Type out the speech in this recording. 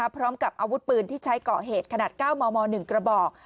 พร้อมกับอาวุธปืนที่ใช้ก่อเหตุขนาด๙มม๑กระบอก